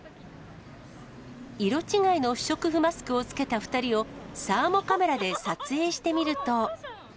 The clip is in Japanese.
色違いの不織布マスクをつけた２人をサーモカメラで撮影してみる